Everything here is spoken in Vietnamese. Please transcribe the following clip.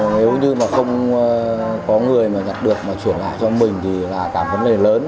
nếu như không có người nhặt được mà chuyển lại cho mình thì là cả vấn đề lớn